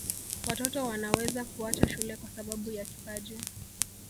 watoto wanaweza kuacha shule kwa sababu ya kipaji